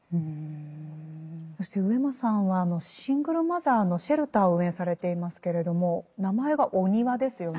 そして上間さんはシングルマザーのシェルターを運営されていますけれども名前が「おにわ」ですよね。